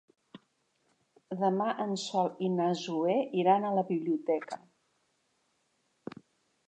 Demà en Sol i na Zoè iran a la biblioteca.